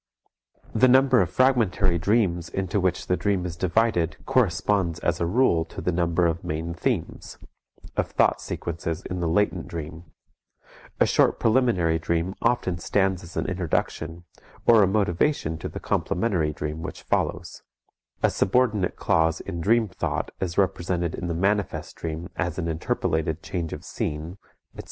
The number of fragmentary dreams into which the dream is divided corresponds as a rule to the number of main themes, of thought sequences in the latent dream; a short preliminary dream often stands as an introduction or a motivation to the complementary dream which follows; a subordinate clause in dream thought is represented in the manifest dream as an interpolated change of scene, etc.